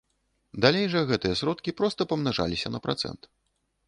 Далей жа гэтыя сродкі проста памнажаліся на працэнт.